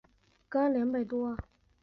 徐熙媛的二姐。